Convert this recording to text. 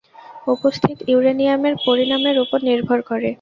উপস্থিত ইউরেনিয়ামের পরিমাণের উপর নির্ভর করে।